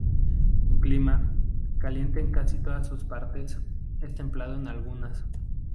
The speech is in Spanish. Su clima, caliente en casi todas sus partes, es templado en algunas.